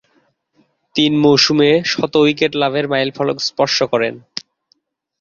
তিন মৌসুমে শত উইকেট লাভের মাইলফলক স্পর্শ করেন।